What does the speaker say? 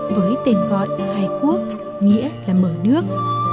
với tên gọi khai quốc nghĩa là mở nước